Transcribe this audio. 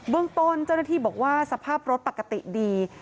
เรื่องต้นเจ้าหน้าที่บอกว่าสภาพรถปกติดี